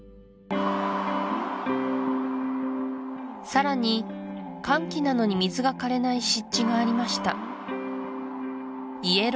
さらに乾季なのに水がかれない湿地がありました